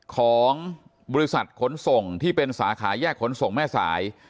ของบริษัทขนส่งที่เป็นสาขาแยกขนส่งแม่สาย